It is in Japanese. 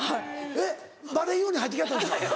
えっバレんように入って来はったんですか？